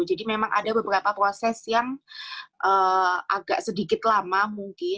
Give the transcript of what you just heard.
jadi memang ada beberapa proses yang agak sedikit lama mungkin